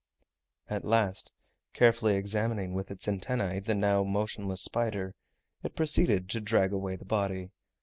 At last, carefully examining with its antennae the now motionless spider, it proceeded to drag away the body.